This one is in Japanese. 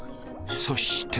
そして。